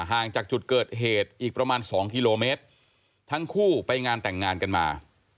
ห่างจากจุดเกิดเหตุอีกประมาณสองกิโลเมตรทั้งคู่ไปงานแต่งงานกันมา